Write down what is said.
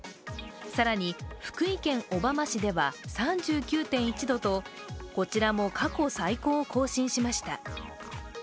更に、福井県小浜市では３９．１度と、こちらも過去最高を更新しました。